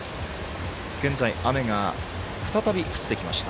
現在、雨が再び降ってきました。